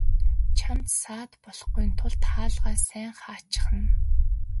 Чамд саад болохгүйн тулд хаалгаа сайн хаачихна.